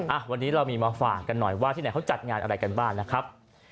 อ่ะวันนี้เรามีมาฝากกันหน่อยว่าที่ไหนเขาจัดงานอะไรกันบ้างนะครับ